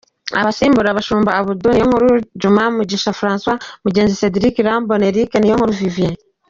Abasimbura : Bashunga Abouba, Niyonkuru Djuma, Mugisha Francois, Mugenzi Cedric, Irambona Eric, Niyonkuru Vivien.